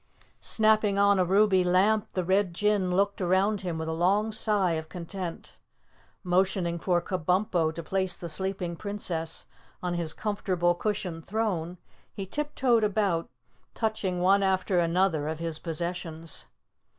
Snapping on a ruby lamp, the Red Jinn looked around him with a long sigh of content. Motioning for Kabumpo to place the sleeping Princess on his comfortable cushioned throne, he tiptoed about, touching one after another of his possessions.